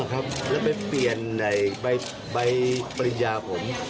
มั่วครับแล้วไปเปลี่ยนในใบปริญญาผม